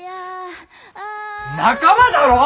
仲間だろ！